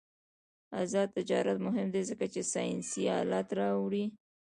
آزاد تجارت مهم دی ځکه چې ساینسي آلات راوړي.